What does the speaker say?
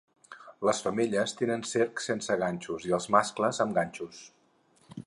Les femelles tenen cerc sense ganxos i els mascles amb ganxos.